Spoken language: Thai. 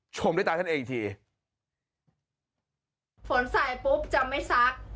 ชมด้วยตาท่านเองอีกทีฝนใส่ปุ๊บจะไม่ซัก